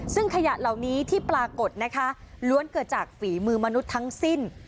ซึ่งขยะเหล่านี้ที่ปรากฏนะคะล้วนเกิดจากฝีมือมนุษย์ทั้งสิ้น